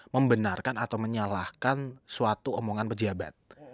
membenarkan atau menyalahkan suatu omongan pejabat